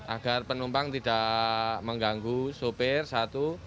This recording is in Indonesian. agar penumpang tidak mengganggu sopir satu